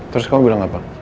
terus kamu bilang apa